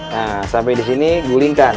nah sampai di sini gulingkan